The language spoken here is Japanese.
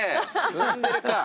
ツンデレか。